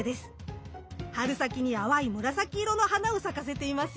春先に淡い紫色の花を咲かせていますよ。